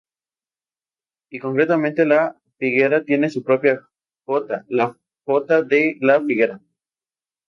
Y concretamente La Figuera tiene su propia jota: La jota de la Figuera.